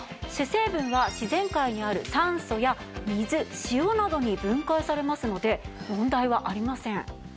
主成分は自然界にある酸素や水塩などに分解されますので問題はありません。